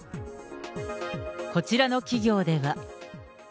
こちらの企業では。